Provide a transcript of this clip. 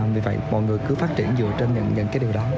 vì vậy mọi người cứ phát triển dựa trên những cái điều đó